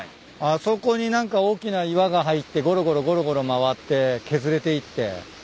あそこに何か大きな岩が入ってごろごろごろごろ回って削れていって。